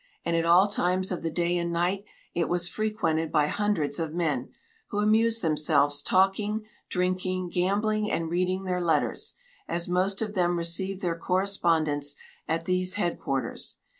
and at all times of the day and night it was frequented by hundreds of men, who amused themselves talking, drinking, gambling and reading their letters, as most of them received their correspondence at these headquarters.